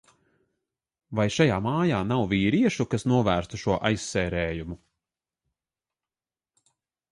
Vai šajā mājā nav vīriešu, kas novērstu šo aizsērējumu?